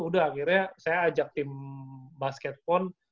udah akhirnya saya ajak tim basket pon